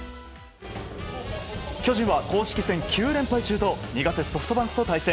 巨人は公式戦９連敗中と苦手ソフトバンクと対戦。